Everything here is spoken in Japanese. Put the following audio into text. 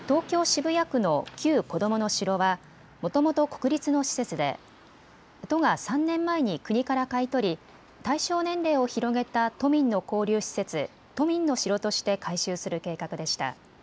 渋谷区の旧こどもの城はもともと国立の施設で都が３年前に国から買い取り対象年齢を広げた都民の交流施設、都民の城として改修する計画でした。